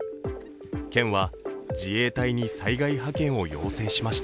県は自衛隊に災害派遣を要請しました。